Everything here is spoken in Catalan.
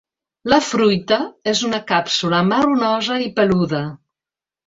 La fruita és una càpsula marronosa i peluda.